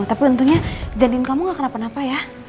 tapi tentunya jadiin kamu gak kenapa napa ya